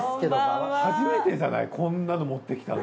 初めてじゃない？こんなの持ってきたの。